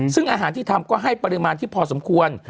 ซึ่งอาหารที่ทำก็ให้ปริมาณที่พอสมควร